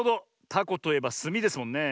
タコといえばすみですもんね。